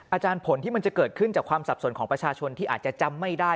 อาจารย์ผลที่มันจะเกิดขึ้นจากความสับสนของประชาชนที่อาจจะจำไม่ได้